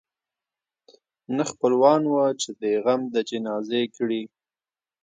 نه خپلوان وه چي دي غم د جنازې کړي